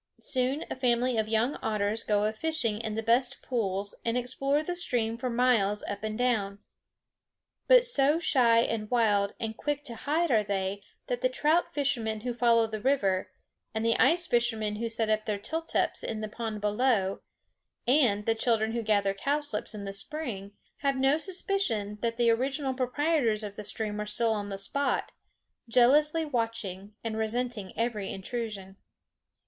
Soon a family of young otters go a fishing in the best pools and explore the stream for miles up and down. But so shy and wild and quick to hide are they that the trout fishermen who follow the river, and the ice fishermen who set their tilt ups in the pond below, and the children who gather cowslips in the spring have no suspicion that the original proprietors of the stream are still on the spot, jealously watching and resenting every intrusion.